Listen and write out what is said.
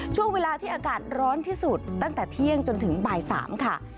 ช่วงเวลาที่อากาศร้อนที่สุดตั้งแต่เที่ยงจนถึงบ่าย๓ค่ะ